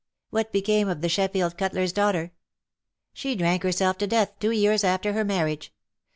What became of the Sheffield cutler's daughter ?'''^ She drank herself to death two years after her marriage.